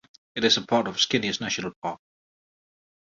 It is a part of Schinias National Park.